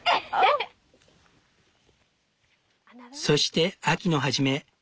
そして秋の初め。